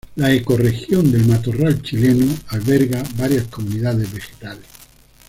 La ecorregión del matorral chileno alberga varias comunidades vegetales.